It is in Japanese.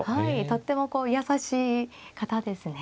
とっても優しい方ですね。